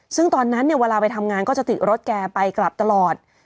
ซึ่งตอนนั้นเนี่ยเวลาไปทำงานก็จะติดรถแกไปกลับตลอด